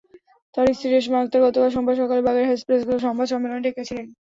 তাঁর স্ত্রী রেশমা আক্তার গতকাল সোমবার সকালে বাগেরহাট প্রেসক্লাবে সংবাদ সম্মেলন ডেকেছিলেন।